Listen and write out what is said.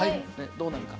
どうなるか。